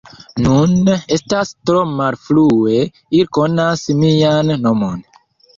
Nun, estas tro malfrue, ili konas mian nomon.